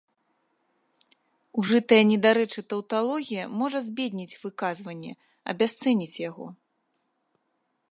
Ужытая недарэчы таўталогія можа збедніць выказванне, абясцэніць яго.